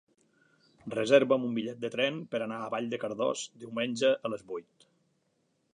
Reserva'm un bitllet de tren per anar a Vall de Cardós diumenge a les vuit.